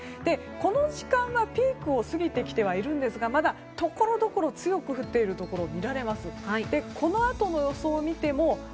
この時間はピークを過ぎてきてはいるんですがまだ、ところどころ強く降っているところが見られます。